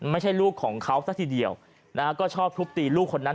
ไม่ใช่ลูกของเขาซะทีเดียวนะฮะก็ชอบทุบตีลูกคนนั้น